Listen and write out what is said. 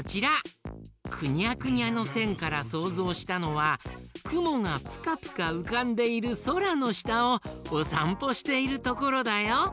くにゃくにゃのせんからそうぞうしたのは「くもがぷかぷかうかんでいるそらのしたをおさんぽしているところ」だよ。